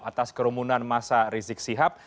atas kerumunan masa rizik sihab